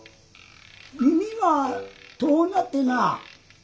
耳が遠なってなあ。